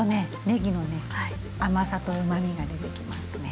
ねぎの甘さとうまみが出てきますね。